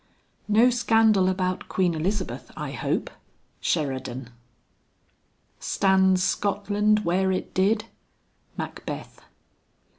"No scandal about Queen Elizabeth I hope." SHERIDAN. "Stands Scotland where it did?" MACBETH.